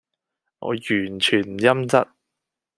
我完全唔陰質